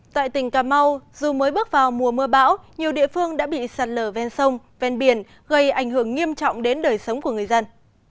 tại tỉnh cà mau dù mới bước vào mùa mưa bão nhiều địa phương đã bị sạt lở ven sông ven biển gây ảnh hưởng nghiêm trọng đến đời sống của người dân